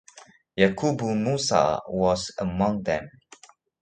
Yakubu Musa was among them.